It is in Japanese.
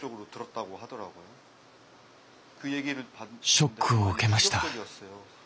ショックを受けました。